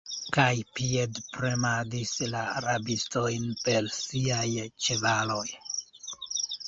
kaj piedpremadis la rabistojn per siaj ĉevaloj.